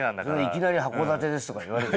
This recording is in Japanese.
いきなり函館ですとか言われて。